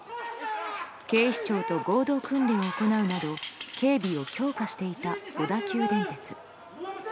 警視庁と合同訓練を行うなど警備を強化していた小田急電鉄。